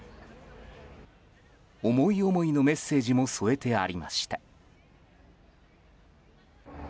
思い思いのメッセージも添えてありました。